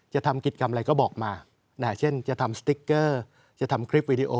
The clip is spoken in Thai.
จะทำกิจกรรมอะไรก็บอกมาเช่นจะทำสติ๊กเกอร์จะทำคลิปวิดีโอ